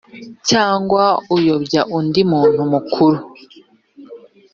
cyangwa uyobya undi muntu mukuru